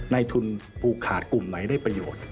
ในทุนผูกขาดกลุ่มไหนได้ประโยชน์